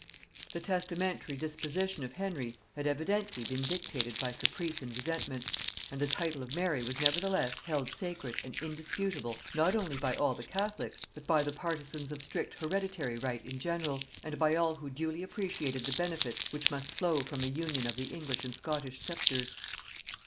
The testamentary disposition of Henry had evidently been dictated by caprice and resentment, and the title of Mary was nevertheless held sacred and indisputable not only by all the catholics, but by the partisans of strict hereditary right in general, and by all who duly appretiated the benefits which must flow from an union of the English and Scottish sceptres.